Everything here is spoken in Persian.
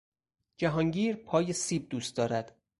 جهانگیر پای سیب دوست دارد.